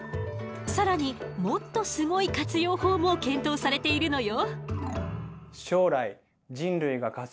更にもっとすごい活用法も検討されているのよ。